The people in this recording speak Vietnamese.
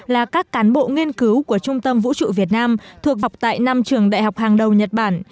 là các cán bộ nghiên cứu của trung tâm vũ trụ việt nam thuộc học tại năm trường đại học hàng đầu nhật bản